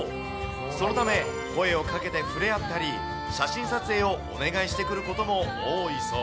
そのため、声をかけて触れ合ったり、写真撮影をお願いしてくることも多いそう。